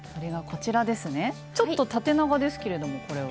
ちょっと縦長ですけれどもこれは。